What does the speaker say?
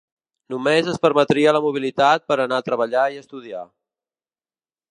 Només es permetria la mobilitat per a anar a treballar i estudiar.